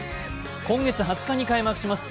今月２０日に開幕します